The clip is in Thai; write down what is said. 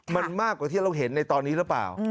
มันมากกว่าที่เราเห็นในตอนนี้หรือเปล่า